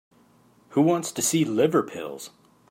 Who wants to see liver pills?